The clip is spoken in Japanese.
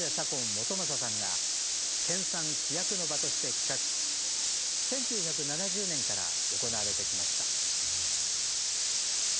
元正さんが研鑽飛躍の場として企画し１９７０年から行われてきました。